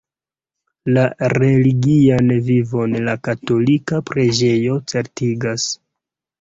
La religian vivon la katolika preĝejo certigas.